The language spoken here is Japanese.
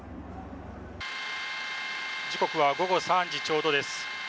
時刻は午後３時ちょうどです。